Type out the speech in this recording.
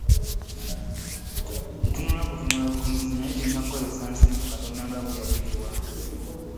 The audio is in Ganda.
Tetulina kutunula butunuzi nayw tulina kukozesa ensi eno Katonda nga bwe yagituwa